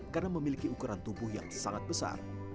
karena memiliki ukuran tubuh yang sangat besar